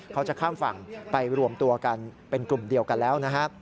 เขาจะข้ามฝั่งไปรวมตัวกันเป็นกลุ่มเดียวกันแล้วนะครับ